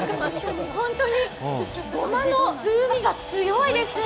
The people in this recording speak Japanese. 本当にごまの風味が強いです。